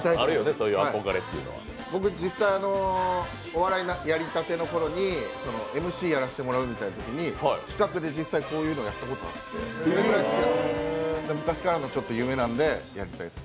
僕、実際、お笑いやりたての頃にＭＣやらせてもらったときに企画で実際、こういうのをやったことあって、昔からの夢なんで、やりたいです。